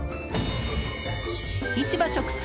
市場直送！